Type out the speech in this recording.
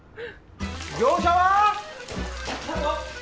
業者は！？